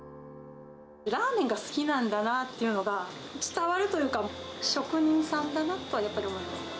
ラーメンが好きなんだなっていうのが伝わるというか、職人さんだなとはやっぱり思います。